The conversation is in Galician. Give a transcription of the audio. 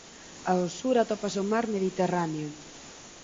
Ao sur atópase o Mar Mediterráneo.